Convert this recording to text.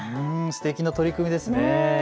すてきな取り組みですね。